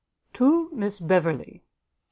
To Miss Beverley.